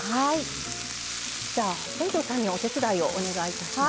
じゃあ本上さんにお手伝いをお願いいたします。